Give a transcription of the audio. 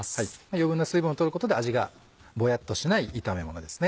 余分な水分を取ることで味がぼやっとしない炒め物ですね。